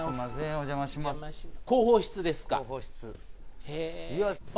お邪魔しますあっ